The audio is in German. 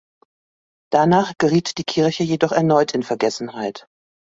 Danach geriet die Kirche jedoch erneut in Vergessenheit.